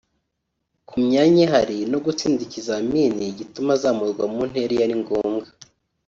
ku myanya ihari no gutsinda ikizamini gituma azamurwa mu ntera iyo ari ngombwa